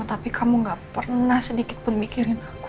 tapi kamu gak pernah sedikitpun mikirin aku